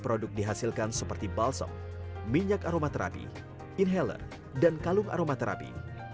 produk dihasilkan seperti balso minyak aromaterapi inhaler dan kalung aromaterapi